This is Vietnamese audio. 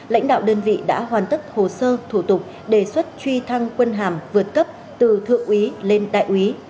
lãnh đạo đơn vị đã hoàn tất hồ sơ thủ tục đề xuất truy thăng quân hàm vượt cấp từ thượng úy lên đại úy